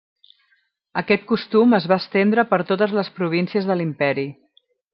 Aquest costum es va estendre per totes les províncies de l'Imperi.